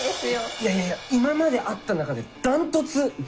いやいや今まで会った中で断トツ！